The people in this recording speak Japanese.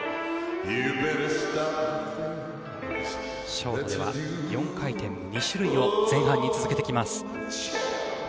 ショートでは４回転２種類を前半に続けてきます。